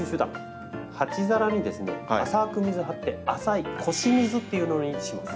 鉢皿にですね浅く水張って浅い「腰水」っていうのにします。